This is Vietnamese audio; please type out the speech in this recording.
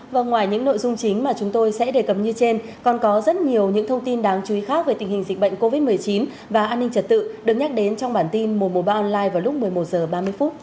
và ngoài những nội dung chính mà chúng tôi sẽ đề cập như trên còn có rất nhiều những thông tin đáng chú ý khác về tình hình dịch bệnh covid một mươi chín và an ninh trật tự được nhắc đến trong bản tin mùa mùa ba online vào lúc một mươi một h ba mươi